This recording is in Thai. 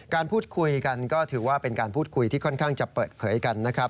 การพูดคุยกันก็ถือว่าเป็นการพูดคุยที่ค่อนข้างจะเปิดเผยกันนะครับ